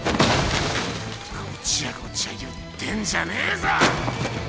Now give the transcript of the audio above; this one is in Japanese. ごちゃごちゃ言ってんじゃねえぞ！